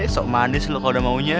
sok manis loh kalau udah maunya